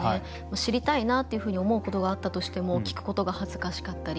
知りたいなと思うことがあったとしても聞くことが恥ずかしかったり。